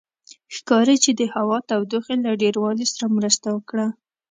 ښکاري چې د هوا تودوخې له ډېروالي سره مرسته وکړه.